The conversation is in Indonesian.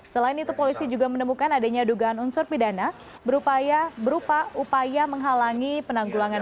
selain itu polisi juga menemukan adanya dugaan unsur pidana berupa upaya menghalangi penanggulangan